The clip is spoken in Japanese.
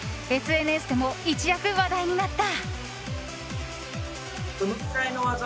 ＳＮＳでも一躍話題になった。